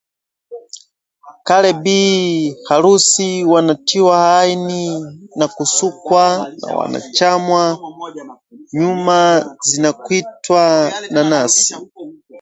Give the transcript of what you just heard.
Kale bi harusi wanatiwa hina na husukwa na kwanachanwa nyuma zinakwitwa nanasi